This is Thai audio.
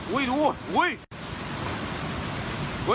อุ้ยดูอุ้ย